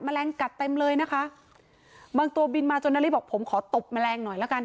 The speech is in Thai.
แมลงกัดเต็มเลยนะคะบางตัวบินมาจนนาริบอกผมขอตบแมลงหน่อยละกัน